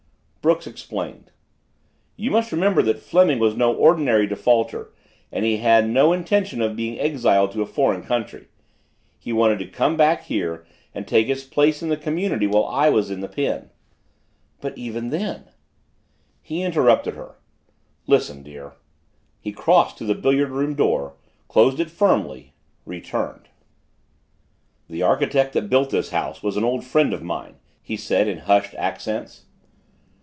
Brooks explained. "You must remember Fleming was no ordinary defaulter and he had no intention of being exiled to a foreign country. He wanted to come back here and take his place in the community while I was in the pen." "But even then " He interrupted her. "Listen, dear " He crossed to the billiard room door, closed it firmly, returned. "The architect that built this house was an old friend of mine," he said in hushed accents.